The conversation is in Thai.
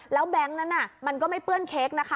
แล้วแบงค์นั้นมันก็ไม่เปื้อนเค้กนะคะ